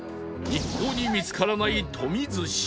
一向に見つからないトミ寿司